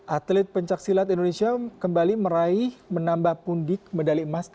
atlet pencaksilat indonesia kembali meraih menambah pundik medali emas ke dua puluh lima